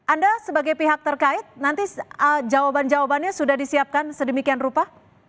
anda sebagai pihak terkait nanti jawaban jawabannya sudah disiapkan sedemikian rupa